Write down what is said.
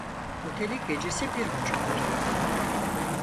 Otelin gecesi bir buçuk lira idi.